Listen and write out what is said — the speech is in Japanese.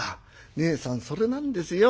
ねえさんそれなんですよ。